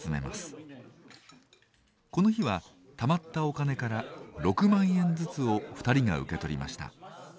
この日はたまったお金から６万円ずつを２人が受け取りました。